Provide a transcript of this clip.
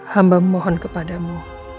hamba mohon kepadamu